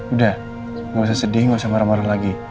udah gak usah sedih nggak usah marah marah lagi